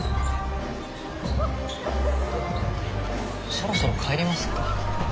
そろそろ帰りますか。